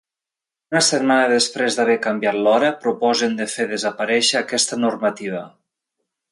Una setmana després d’haver canviat l’hora, proposen de fer desaparèixer aquesta normativa.